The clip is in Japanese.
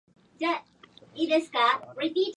五月雨をあつめてやばしドナウ川